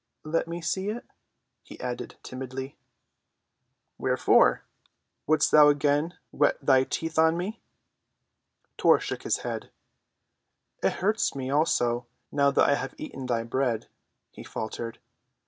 "Let me see it," he added timidly. "Wherefore; wouldst thou again whet thy teeth on me?" Tor shook his head. "It hurts me, also, now that I have eaten thy bread," he faltered.